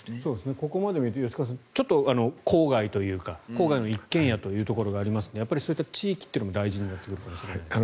ここまで見ると吉川さん、ちょっと郊外というか郊外の一軒家というところがありますのでそういった地域というのも大事になってくるかもしれないですね。